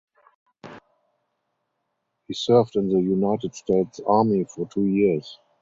He served in the United States Army for two years.